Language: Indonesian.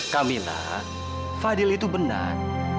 kak mila fadil itu benar